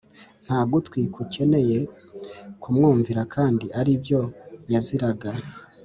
ntagutwi gukeneye kumwumvira kandi aribo yaziraga